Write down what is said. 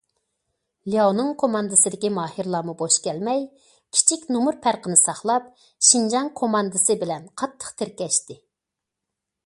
لياۋنىڭ كوماندىسىدىكى ماھىرلارمۇ بوش كەلمەي، كىچىك نومۇر پەرقىنى ساقلاپ، شىنجاڭ كوماندىسى بىلەن قاتتىق تىركەشتى.